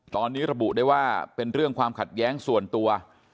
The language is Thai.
ตอนนี้ระบุได้ว่าเป็นเรื่องความขัดแย้งส่วนตัว